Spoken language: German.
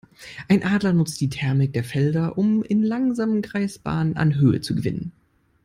Ein Adler nutzt die Thermik der Felder, um in langsamen Kreisbahnen an Höhe zu gewinnen.